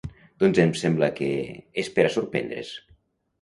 Doncs em sembla que… És per a sorprendre’s.